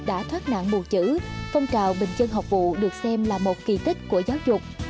đảng ta đã thoát nạn bù chữ phong trào bình chân học vụ được xem là một kỳ tích của giáo dục